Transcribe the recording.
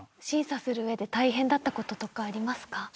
審査する上で大変だった事とかありますか？